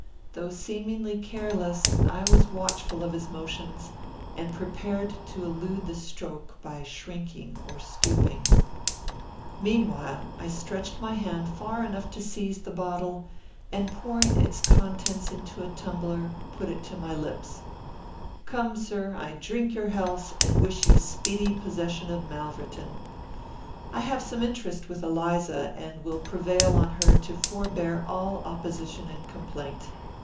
Though seemingly careless, I was watchful of his motions, and prepared to elude the stroke by shrinking or stooping. Meanwhile, I stretched my hand far enough to seize the bottle, and, pouring its contents into a tumbler, put it to my lips: "Come, sir, I drink your health, and wish you speedy possession of Malverton. I have some interest with Eliza, and will prevail on her to forbear all opposition and complaint.